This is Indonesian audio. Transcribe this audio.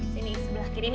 sini sebelah kiri miss ya